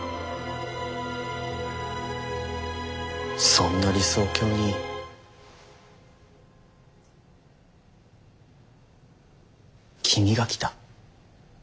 そんな理想郷に君が来た。